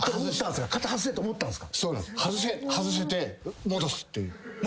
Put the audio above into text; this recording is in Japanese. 外せて戻すっていう。